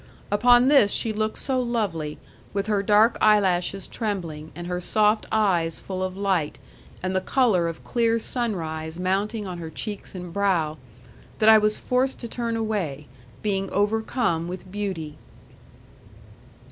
Upon this she looked so lovely, with her dark eyelashes trembling, and her soft eyes full of light, and the colour of clear sunrise mounting on her cheeks and brow, that I was forced to turn away, being overcome with beauty.